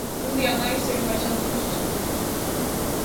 Un día máis, seguen baixando os casos activos.